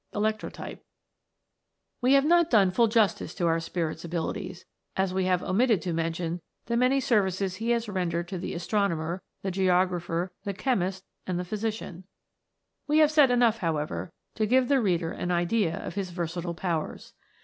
* We have not done full justice to our Spirit's abilities, as we have omitted to mention the many services he has rendered to the astronomer, the geographer, the chemist, and the physician ; we have said enough, however, to give the reader an idea of his versatile powers.